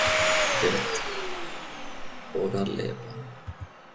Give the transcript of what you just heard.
Geld oder Leber!